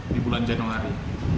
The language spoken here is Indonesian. di bulan januari